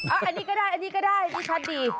อันนี้ก็ได้อันนี้ก็ได้อันนี้ชัดดี